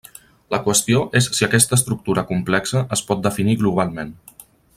La qüestió és si aquesta estructura complexa es pot definir globalment.